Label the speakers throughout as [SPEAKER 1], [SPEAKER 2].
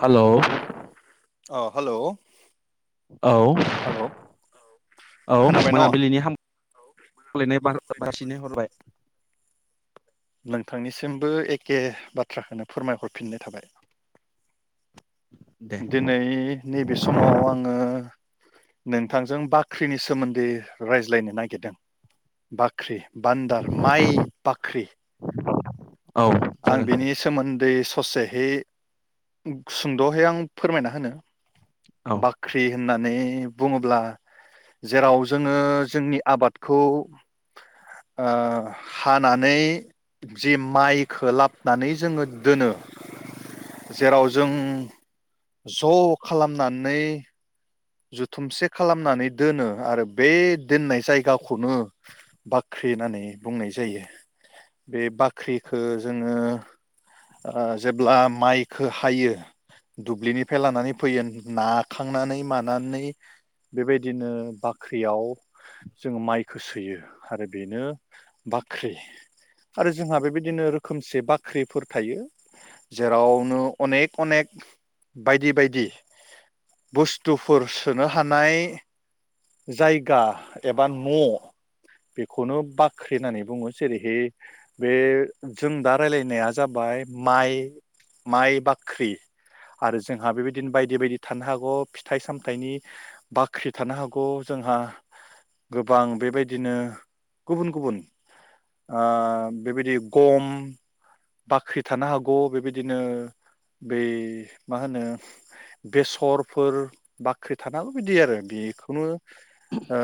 [SPEAKER 1] Hello
[SPEAKER 2] अ hello
[SPEAKER 1] औ औ
[SPEAKER 2] खोनाबाय न
[SPEAKER 1] मोना बिलिनि हाम [unintelligible] लायनाय बारहर बारसिनाय थाबाय
[SPEAKER 2] नोंथांनिसिमबो एखे बाथ्राखोनो फोरमायह रफिननाय थाबाय।
[SPEAKER 1] दे
[SPEAKER 2] दिनै नैबे समाव आङो नोंथांजों बाख्रिनि सोमोन्दै रायज्लायनो नागिरदों बाख्रि। बान्दार माइ बाख्रि।
[SPEAKER 1] औ
[SPEAKER 2] आं
[SPEAKER 1] जागोन
[SPEAKER 2] बिनि सोमोन्दै ससेहै सुंद'है आं फोरमायना होनो
[SPEAKER 1] औ
[SPEAKER 2] बाख्रि होन होननानै बुङोब्ला जेराव जोङो जोंनि आबादखौ हानानै ओ जि माइ खोलाबनानै जोङो दोनो जेराव जों ज' खालामनानै जुथुमसे खालामनानै दोनो आरो बे दोननाय जायगाखौनो बाख्रि होननानै बुंनाय जायो। बे बाख्रिखौ जोङो जेब्ला माइखौ हायो दुब्लिनिफ्राय लानानै फैयो नाखांनानै मानानै बेबायदिनो बाख्रियाव जोङो माइखौ सोयो आरो बेनो बाख्रि आरो जोंहा बेबायदिनो रोखोमसे बाख्रिफोर थायो जेरावनो अनेक अनेक बायदि बायदि बुस्थुफोर सोनो हानाय जायगा एबा न' बेखौनो बाख्रि होननानै बुङो जेरैहाय बे जों दा रायलायनाया जाबाय माइ माइ बाख्रि आरो जोंहा बेबायदिनो बायदि बायदि थानो हागौ फिथाइ सामथाइनि बाख्रि थानो हागौ जोंहा गोबां बेबायदिनो गुबुन गुबुन ओ बेबायदि गम बाख्रि थानो हागौ बेबायदिनो बै मा होनो बेसरफोर बाख्रि थानो हागौ बिदि आरो बेखौनो ओ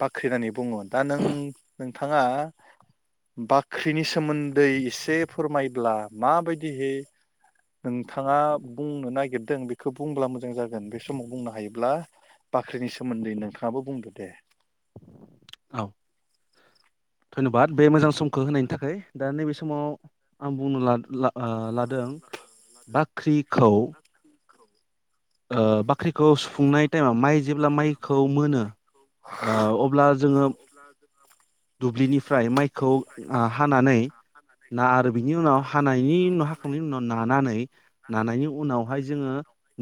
[SPEAKER 2] बाख्रि होननानै बुङो दा नों नोंथाङा बाख्रिनि सोमोन्दै एसे फोर फोरमायब्ला माबायदिहै नोंथाङा बुंनो नागिरदों बेखौ बुंब्ला मोजां जागोन बे समाव बुंनो हायोब्ला बाख्रिनि सोमोन्दै नोंथाङाबो बुंदो दे ।
[SPEAKER 1] औ धन्यबाद बे मोजां समखौ होनायनि थाखाय दा नैबे समाव आं बुंनो ला ला लादों दों आ ख्रि
[SPEAKER 2] ना लाय
[SPEAKER 1] ओ बाख्रिखौ सुफुंनाय टाइमाव माइ जेब्ला माइखौ मोनो ओ अब्ला जोङो दुब्लिनिफ्राय माइखौ ओ हानानै ना आरो बिनि उनाव हानायनि उनाव हाखांनायनि उनाव नानानै नानायनि उनावहाय जोङो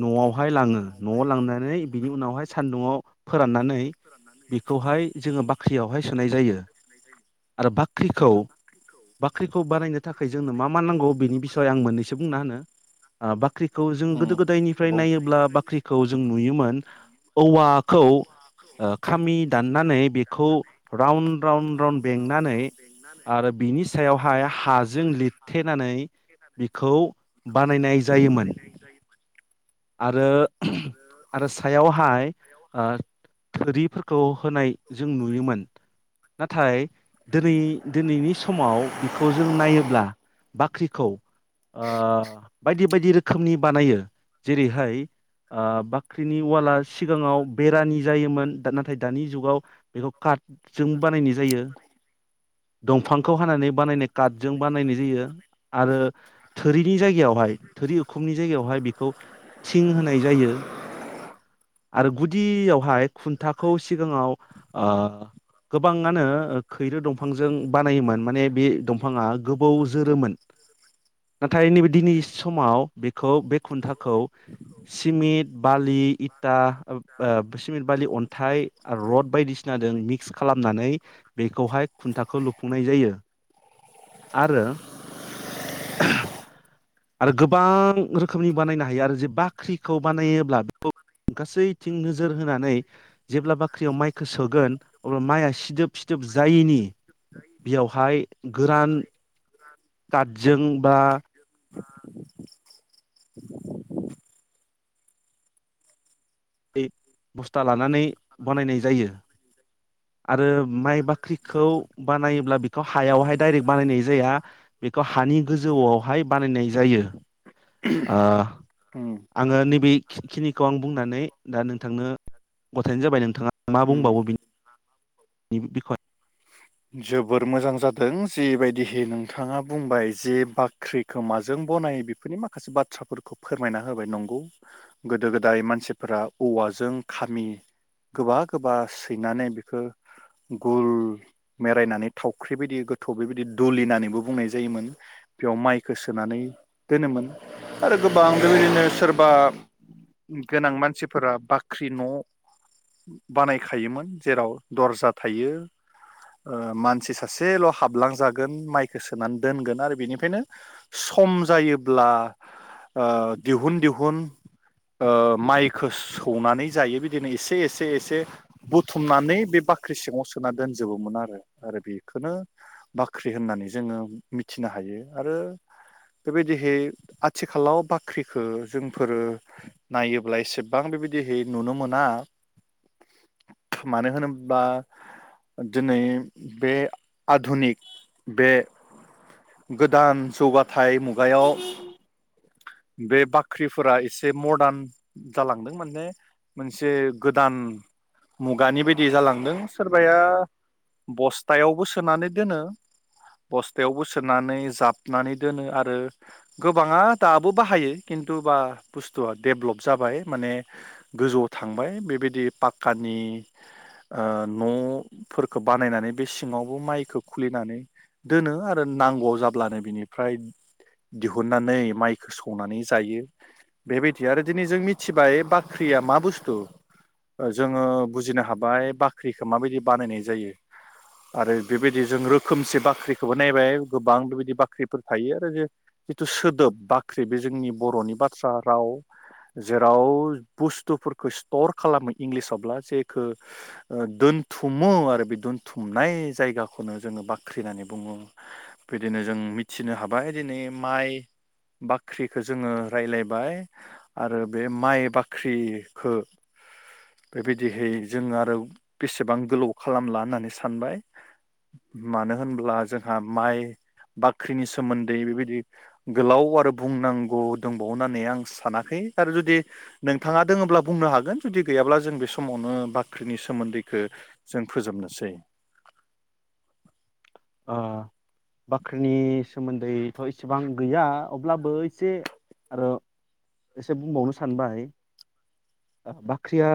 [SPEAKER 1] न'आवहाय लाङो न'आव लांनानै बिनि उनावहाय सानदुंआव फोराननानै बेखौहाय जोङो बाख्रियावहाय सोनाय जायो आरो बाख्रिखौ बाख्रिखौ बानायनो थाखाय जोंनो मा मा नांगौ बेनि बिसय आं मोननैसो बुंना होनो बाख्रिखौ जों
[SPEAKER 2] उम
[SPEAKER 1] गोदो गोदायनिफ्राय
[SPEAKER 2] बुं
[SPEAKER 1] नायोब्ला बाख्रिखौ जों नुयोमोन औवाखौ ओ खामि दाननानै बेखौ राउन्ड राउन्ड राउन्ड बेंनानै आरो बिनि सायावहाय हाजों लिरथेनानै बिखौ बानायनाय जायोमोन । आरो आरो सायावहाय ओ थोरिफोरखौ होनाय जों नुयोमोन । नाथाय दिनै दिनैनि समाव बिखौ जों नायोब्ला बाख्रिखौ ओ बायदि बायदि रोखोमनि बानायो । जेरैहाय ओ बाख्रिनि उवाला सिगाङाव बेरानि जायोमोन नाथाय दानि जुगाव बेखौ काटजों बानायनाय जायो दंफांखौ हानानै बानायनाय काटजों बानायनाय जायो । आरो थोरिनि जायगायावहाय थोरि खुुमनि जायगायावहाय बि खौ थिं होनाय जायो आरो गुदियावहाय खुन्थाखौ सिगाङाव ओ गोबाङानो खैरो दंफांजों बानायोमोन माने बे दंफाङा गोबौ जोरोमोन नाथाय नैबे दिनै समाव बेखौ बे खुन्थाखौ सिमेन्ट बालि इटा ओ सिमेन्ट बालि अन्थाइ रड बायदिसिनाजों मिक्स खालामनानै बेखौहाय खुन्थाखौ लुफुंनाय जायो आरो आरो गोबां रोखोम रोखोमनि बानायनो हायो आरो जे बाख्रिखौ बानायोब्ला बेखौ गासैथिं नोजोर होनानै जेब्ला बाख्रियाव माइखौ सोगोन अब्ला माइआ सिदोब सिदोब जायैनि बेयावहाय गोरान कादजों बा
[SPEAKER 2] [unintelligible]
[SPEAKER 1] बस्था लानानै बनायनाय जायो आरो माइ बाख ख्रिखौ बानायोब्ला बेखौ हायावहाय डाइरेक्ट बानायनाय जाया बेखौ हानि गोजौआवहाय बानायनाय जायो । ओ
[SPEAKER 2] उम
[SPEAKER 1] आङो नैबेखिनिखौ आं बुंनानै दा नोंथांनो गथायनो जाबाय नोंथाङा मा
[SPEAKER 2] उम
[SPEAKER 1] बुंबावो बिनि बिखय
[SPEAKER 2] जोबोर मोजां जादों जेबायदिहै नोंथाङा बुंबाय जे बाख्रिखौ माजों बनायो बेफोरनि माखासे बाथ्राफोरखौ फोरमायना होबाय नंगौ गोदो गोदाय मानसिफोरा औवाजों खामि गोबा गोबा सैनानै बेखौ गुल मेरायनानै थावख्रि बायदि गोथौ बेबायदि दुलि होननानैबो बुंनाय जायोमोन बेयाव माइखौ सोनानै दोनोमोन आरो गोबां बेबायनो सोरबा गोनां मानसिफोरा बाख्रि न बानायखायोमोन जेराव दरजा थायो । मानसि सासेल हाबलांजागोन माइखौ सोनानै दोनगोन आरो बेनिफ्रायनो सम जायोब्ला ओ दिहुन दिहुन ओ माइखौ सौनानै जायो बिदिनो एसे एसे एसे बुथुमनानै बे बाख्रि सिङाव सोना दोनजोबोमोन आरो आरो बेखौनो बाख्रि होननानै जोङो मिथिनो हायो आरो बेबायदिहै आथिखालाव बाख्रिखौ जोंफोरो नायोब्ला एसेबां बेबायदिहै नुनो मोना मानो होनोबा दिनै बे आधुनिक बे गोदान जौगाथाय मुग गायाव बे बाख्रिफोरा एसे मदार्न जालांदों माने मोनसे गोदान मुगानि बायदि जालांदों सोरबाया बस्थायावबो सोनानै दोनो बस्थायावबो सोनानै जाबनानै दोनो आरो गोबाङा दाबो बाहायो खिन्थु बा बुस्थुआ डेभ्लप जाबाय माने गोजौआव थांबाय बेबायदि पाक्कानि ओ नफोरखौ बानायनानै बे सिङावबो माइखो खुलिनानै दोनो आरो नांगौआव जाब्लानो बिनिफ्राय दिहुननानै माइखौ सौनानै जायो बेबायदि आरो दिनै जों मिथिबाय बाख्रिया मा बुस्थु जोङो बुजिनो हाबाय बाख्रिखौ माबायदि बानायनाय जायो आरो बेबायदि जों रोखोमसे बाख्रिखौबो नायबाय गोबां बेबायदि बाख्रिफोर थायो आरो जिथु सोदोब बाख्रि बे जोंनि बर'नि बाथ्रा राव जेराव बुस्थुफोरखौ स्टर खालामो इंलिसावब्ला जेखौ ओ दोनथुमो आरो बे दोनथुम थुमनाय जायगाखौनो जोङो बाख्रि होननानै बुङो बिदिनो जों मिथिनो हाबाय दिनै माइ बाख्रिखो जोङो राय्लायबाय आरो बे माइ बाख्रिखो बेबायदिहै जोङो आरो बेसेबां गोलाव खालामला होननानै सानो सानबाय मानो होनब्ला जोंहा माइ बाख्रिनि सोमोन्दै बेबायदि गोलाव आरो बुंनांगौ दंबावो होननानै आं सानाखै आरो जुदि नोंथाङा दोङोब्ला बुंनो हागोन जुदि गैयाब्ला जों बे समावनो बाख्रिनि सोमोन्दैखौ जों फोजोबनोसै
[SPEAKER 1] ओ बाख्रिनि सोमोन्दैथ एसेबां गैया अब्लाबो एसे आरो एसे बुंबावनो सानबाय बाख्रिया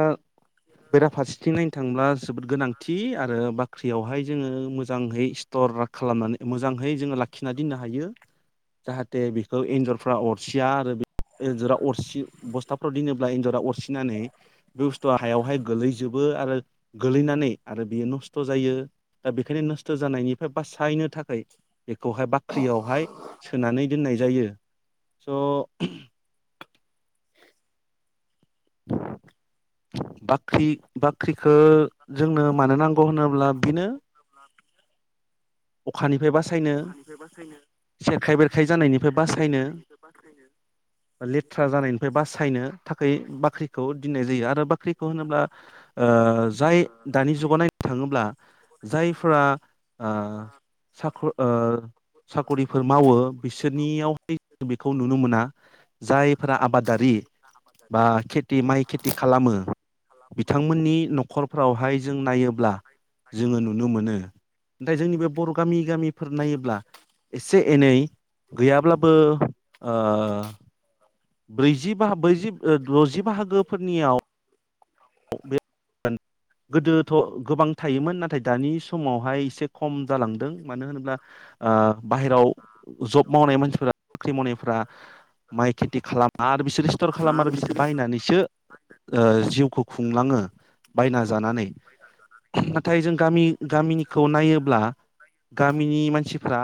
[SPEAKER 1] बेराफारसेथिं नायनो थांब्ला जोबोद गोनांथि आरो बाख्रियावहाय जोङो मोजाङै सटर खालामनानै मोजांहै जोङो लाखिनानै दोननो हायो जाहाथे बेखौ एन्जरफ्रा अरसिया आरो एन्जरा अरसि बस्थाफ्राव दोनोब्ला एन्जरा अरसिनानै बे बुस्थुआ हायावहाय गोलैजोबो आरो गोलैनानै आरो बेयो नस्थ जायो दा बेखायनो नस्थ जानायनि बासायनो थाखाय बेखौहाय बाख्रियावहाय सोनानै दोननाय जायो स बाख्रि बाख्रिखो जोंनो मानो नांगौ होनोब्ला बेनो अखानिफ्राय बास सायनो सेरखाय बेरखाय खाइ जानायनिफ्राय बासायनो लेथ्रा जानायनिफ्राय बासायनो थाखाय बाख्रिखौ दोननाय जायो आरो बाख्रिखौ होनोब्ला ओ जाय दानि जुगाव नायनो थाङोब्ला जायफोरा ओ साख साकरिफोर मावो बिसोरनियावहाय बेखौ नुनो मोना जायफोरा आबादारि बा खेथि माइ खेथि खालामो बिथांमोननि नखरफ्रावहाय जों नायोब्ला जोङो नुनो मोनो नाथाय जोंनि बे बर' गामि गामिफोर नायोब्ला एसे एनै गैयाब्लाबो ओ ब्रैजिबा ब्रै दजि बाहागोफोरनियाव बे गोदोथ गोबां थायोमोन नाथाय दानि समावहाय एसे खम जालांदों मानो होनोब्ला ओ बाहेराव जब मावनाय मानसिफोरा साख्रि मावनायफोरा माइ खेथि खालामा आरो बिसोर सटर खालाम आरो बिसोर बायनानैसो ओ जिउखौ खुंलाङो बायना जानानै नाथाय जों गामि गामिनिखौ नायोब्ला गामिनि मानसिफ्रा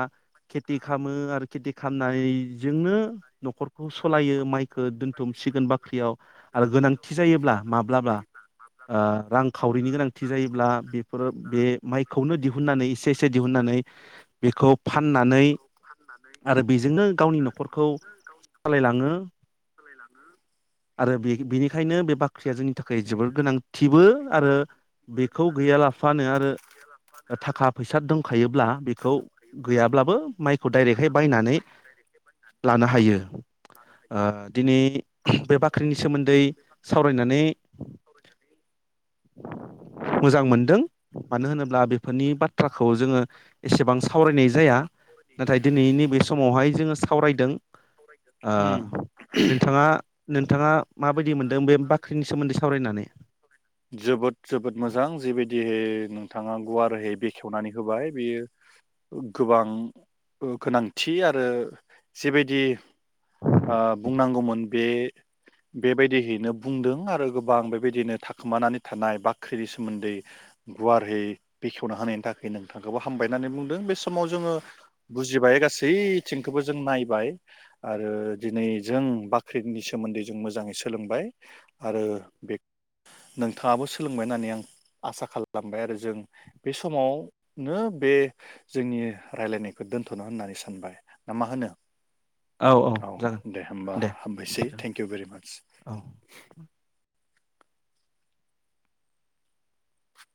[SPEAKER 1] खेथि खालामो आरो खेथि खालामनानैजोंनो नखरखौ सालायो माइखो दोनथुम सिगोन बाख्रियाव आरो गोनांथि जायोब्ला माब्लाबा ओ रांखावरिनि गोनांथि जायोब्ला बेफोरो बे माइखौनो दिहुननानै इसे इसे दिहुननानै बेखौ फाननानै आरो बेजोंनो गावनि नखरखौ सालाय लाङो आरो बे बिनि ओंखायनो बे बाख्रिया जोंनि थाखाय जोबोर गोनां थिबो आरो बेखौ गैयालाफानो आरो थाखा फैसा दंखायोब्ला बेखौ गैयाब्लाबो माइखौ डाइरेक्टहाय बायनानै लानो हायो ओ दिनै बे बाख्रिनि सोमोन्दै सावरायनानै मोजां मोनदों मानो होनोब्ला बेफोरनि बाथ्राखौ जोङो एसेबां सावरायनाय जाया नाथाय दिनै नैबे समावहाय जोङो सावरायदों
[SPEAKER 2] उम
[SPEAKER 1] ओ नोंथाङा नोंथाङा माबायदि मोनदों बे बा ख्रिनि सोमोन्दै सावरायनानै
[SPEAKER 2] जोबोद जोबोद मोजां जेबायदिहै नोंथाङा गुवारैहै बेखेवनानै होबाय बेयो गोबां गोनांथि आरो जेबायदि ओ बुंनांगौमोन बे बेबायदियैनो बुंदों आरो गोबां बेबायदिनो थाखोमानानै थानाय बाख्रिनि सोमोन्दै गुवारै बेखेवना होनायनि थाखाय नोंथांखौबो हामबाय होननानै बुंदों बे समाव जोङो बुजिबाय गासैथिंखौबो जों नायबाय आरो दिनै जों बाख्रिनि सोमोन्दै जों मोजाङै सोलोंबाय । आरो बे नोंथाङाबो सोलोंबाय होननानै आं आसा खालामबाय आरो जों बे समावनो बे जोंनि रायलायनायखौ दोन्थ'नो होननानै सानबाय ना मा होनो? औ दे होमबा हामबायसै थेंक इउ भेरि माच
[SPEAKER 1] औ
[SPEAKER 2] ।
[SPEAKER 1] [inaudible]